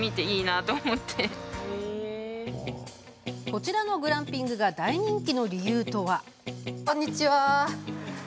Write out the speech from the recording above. こちらのグランピングが大人気の理由とは？